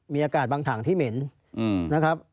มีอากาศบางถังที่เหม็นนะครับ